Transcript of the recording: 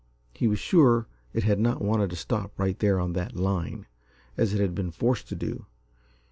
He was sure it had not wanted to stop right there on that line, as it had been forced to do.